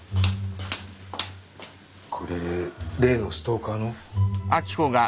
これ例のストーカーの？